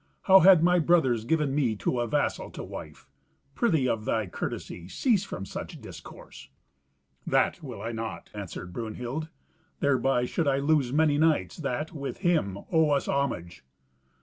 How had my brothers given me to a vassal to wife? Prithee, of thy courtesy, cease from such discourse." "That will I not," answered Brunhild. "Thereby should I lose many knights that, with him, owe us homage."